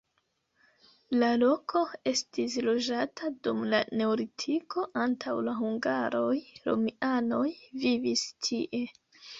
La loko estis loĝata dum la neolitiko, antaŭ la hungaroj romianoj vivis tie.